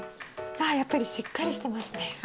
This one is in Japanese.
ああやっぱりしっかりしてますね。